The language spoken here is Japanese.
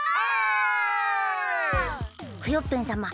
クヨッペンさま